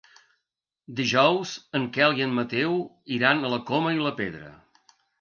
Dijous en Quel i en Mateu iran a la Coma i la Pedra.